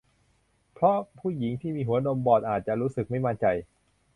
เพราะผู้หญิงที่มีหัวนมบอดอาจจะรู้สึกไม่มั่นใจ